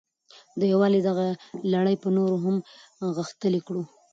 د یووالي دغه لړۍ به نوره هم غښتلې کړو.